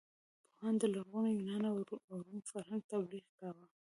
پوهانو د لرغوني یونان او روم فرهنګ تبلیغ کاوه.